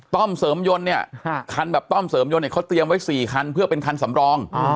้อมเสริมยนต์เนี่ยคันแบบต้อมเสริมยนเนี่ยเขาเตรียมไว้๔คันเพื่อเป็นคันสำรอง